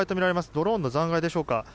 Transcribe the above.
ドローンの残骸でしょうか。